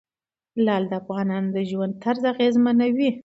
لعل د افغانانو د ژوند طرز اغېزمنوي.